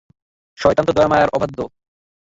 শয়তান তো দয়াময়ের অবাধ্য।